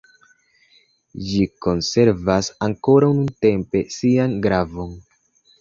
Ĝi konservas ankoraŭ, nuntempe, sian gravon.